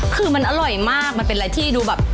คือมันอร่อยมากมันเป็นอะไรที่ดูแบบ